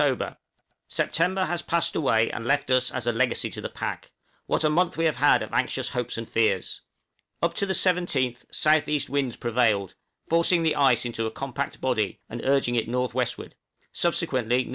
_ September has passed away and left us as a legacy to the pack; what a month have we had of anxious hopes and fears! Up to the 17th S.E. winds prevailed, forcing the ice into a compact body, and urging it north westward; subsequently N.W.